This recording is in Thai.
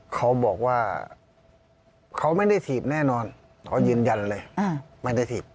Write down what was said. เขาบอกว่าเขาไม่ได้ถีบแน่นอนเขายืนยันเลยไม่ได้ถีบ